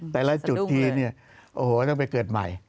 แต่ละจุดทีเนี่ยโอ้โหต้องไปเกิดใหม่